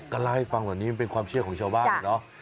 ก็เล่าให้ฟังแบบนี้มันเป็นความเชื่อของชาวบ้านเนาะ